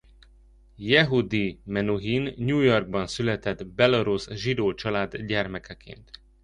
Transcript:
Yehudi Menuhin New Yorkban született belarusz zsidó család gyermekeként.